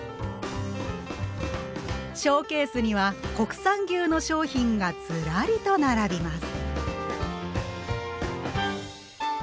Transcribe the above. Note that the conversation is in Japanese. ショーケースには国産牛の商品がずらりと並びます。